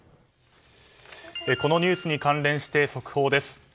このニュースに関連して速報です。